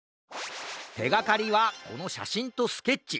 てがかりはこのしゃしんとスケッチ。